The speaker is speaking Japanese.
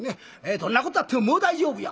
「どんなことあってももう大丈夫や」。